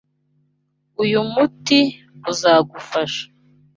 Uyu muti uzagufasha.